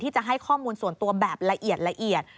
ที่จะให้ข้อมูลส่วนตัวแบบละเอียด